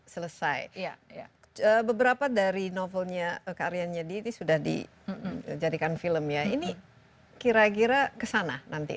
selesai beberapa dari novelnya karyanya di ini sudah dijadikan film ya ini kira kira kesana nanti